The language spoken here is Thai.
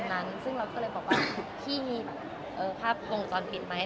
แล้วเราก็ตัวเลยบอกที่คุณภาพโรงกรรมปิดไหม